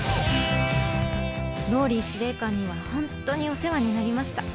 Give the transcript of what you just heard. ＲＯＬＬＹ司令官には本当にお世話になりました。